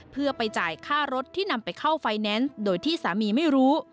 เพื่อไปจ่ายค่ารถที่นำไปเข้าไฟแนนซ์โดยที่สามีไม่รู้